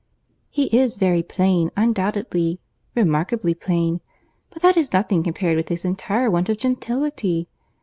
"He is very plain, undoubtedly—remarkably plain:—but that is nothing compared with his entire want of gentility.